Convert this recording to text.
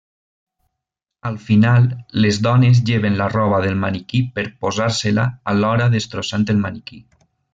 Al final, les dones lleven la roba del maniquí per posar-se-la, alhora destrossant el maniquí.